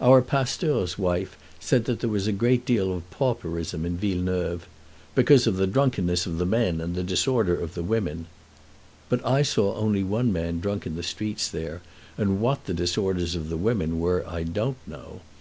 Our pasteur's wife said that there was a great deal of pauperism in Villeneuve, "because of the drunkenness of the men and the disorder of the women;" but I saw only one man drunk in the streets there, and what the disorders of the women were I don't know.